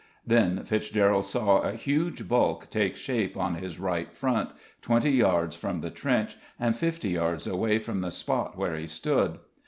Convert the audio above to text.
Then Fitzgerald saw a huge bulk take shape on his right front, twenty yards from the trench and fifty yards away from the spot where he stood.